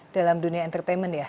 dalam dunia entertainment ya